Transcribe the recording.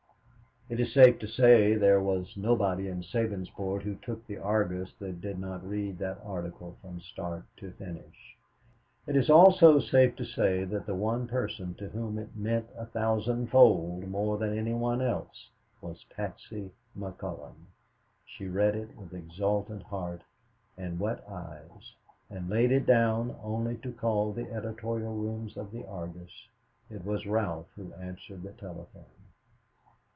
It is safe to say that there was nobody in Sabinsport who took the Argus that did not read that article from start to finish. It is also safe to say that the one person to whom it meant a thousandfold more than to anybody else was Patsy McCullon. She read it with exultant heart and wet eyes, and laid it down only to call the editorial rooms of the Argus. It was Ralph who answered the telephone.